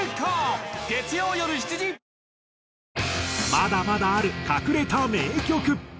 まだまだある隠れた名曲。